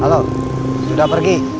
halo sudah pergi